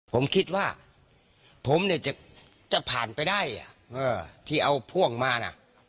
ผมคิดว่าผมเนี่ยจะผ่านไปได้ที่เอาพ่วงมานะ